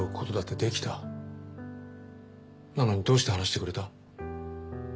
なのにどうして話してくれた？